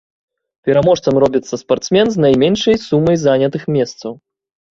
Пераможцам робіцца спартсмен з найменшай сумай занятых месцаў.